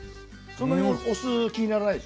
そんなにお酢気にならないでしょ。